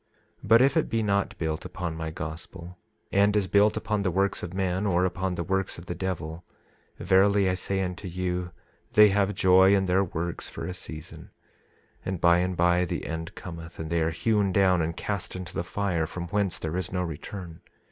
27:11 But if it be not built upon my gospel, and is built upon the works of men, or upon the works of the devil, verily I say unto you they have joy in their works for a season, and by and by the end cometh, and they are hewn down and cast into the fire, from whence there is no return.